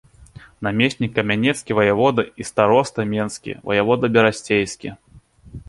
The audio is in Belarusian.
Намеснік камянецкі, ваявода і староста менскі, ваявода берасцейскі.